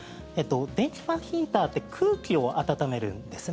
電気ファンヒーターって空気を暖めるんですね。